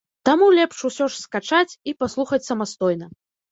Таму лепш усё ж скачаць і паслухаць самастойна.